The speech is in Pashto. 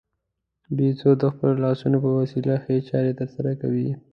بیزو د خپلو لاسونو په وسیله ښې چارې ترسره کوي.